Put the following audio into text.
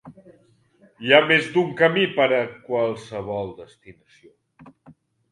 Hi ha més d'un camí per a qualsevol destinació.